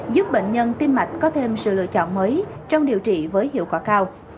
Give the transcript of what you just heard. giúp bệnh nhân tim mạch có thêm sự lựa chọn mới trong điều trị với hiệu quả cao